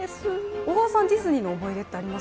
小川さん、ディズニーの思い出ってあります？